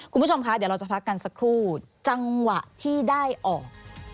คุณผู้ชมคะเดี๋ยวเราจะพักกันสักครู่จังหวะที่ได้ออก